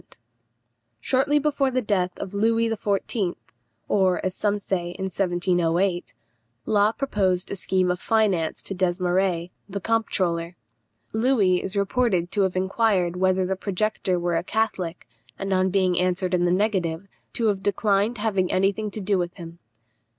[Illustration: THE REGENT OF FRANCE.] Shortly before the death of Louis XIV., or, as some say, in 1708, Law proposed a scheme of finance to Desmarets, the comptroller. Louis is reported to have inquired whether the projector were a Catholic, and on being answered in the negative, to have declined having any thing to do with him.